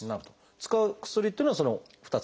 使う薬っていうのはその２つだけ？